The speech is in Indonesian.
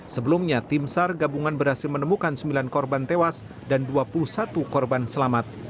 sebelumnya tim sar gabungan berhasil menemukan sembilan korban tewas dan dua puluh satu korban selamat